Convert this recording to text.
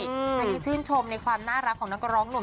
อันนี้ชื่นชมในความน่ารักของนักร้องหนุ่ม